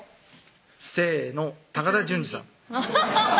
せの高田純次さん